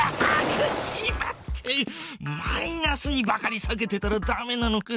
マイナスにばかりさけてたらダメなのか。